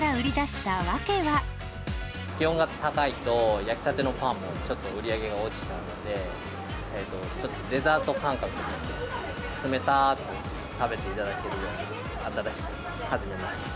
気温が高いと、焼きたてのパンも、ちょっと売り上げが落ちちゃうので、ちょっとデザート感覚で、冷たく食べていただけるように、新しく始めました。